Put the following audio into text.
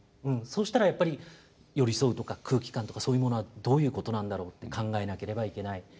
そうしたらやっぱり寄り添うとか空気感とかそういうものはどういうことなんだろうって考えなければいけない。